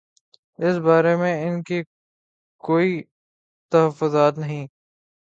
اس بارے میں ان کے کوئی تحفظات نہیں۔